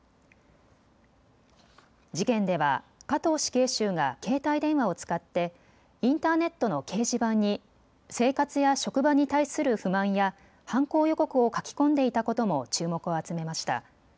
事件では加藤死刑囚が携帯電話を使ってインターネットの掲示板に生活や職場に対する不満や犯行予告を書き込んでいたことも注目を集めました。